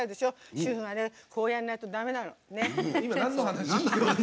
主婦はこうやんないとだめなの。